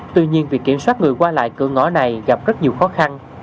tuy nhiên việc kiểm soát người qua lại cửa ngõ này gặp rất nhiều khó khăn